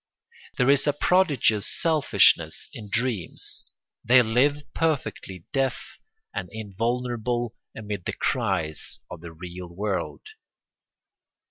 There is a prodigious selfishness in dreams: they live perfectly deaf and invulnerable amid the cries of the real world.